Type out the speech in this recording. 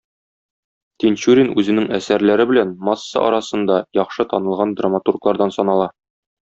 Тинчурин үзенең әсәрләре белән масса арасында яхшы танылган драматурглардан санала.